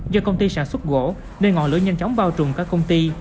do công ty sản xuất gỗ nên ngọn lửa nhanh chóng bao trùm các công ty